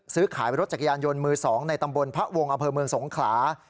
ซื้อขายรถจักรยานยนต์มือ๒ในตำบลพระวงศ์อำเภอเมืองสงขลา